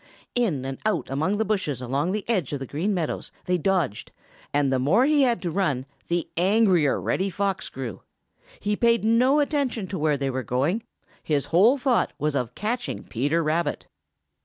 In and out among the bushes along the edge of the Green Meadows they dodged, and the more he had to run, the angrier Reddy Fox grew. He paid no attention to where they were going; his whole thought was of catching Peter Rabbit.